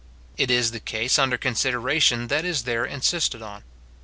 It is the case under consideration that is there insisted on.